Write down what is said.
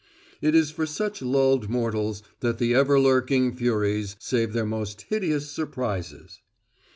It is for such lulled mortals that the ever lurking Furies save their most hideous surprises.